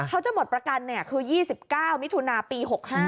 เขาจะหมดประกันคือ๒๙มิถุนาปี๖๕